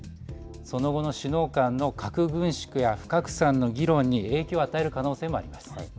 その後の首脳間の核軍縮や不拡散の議論に影響を与える可能性もあります。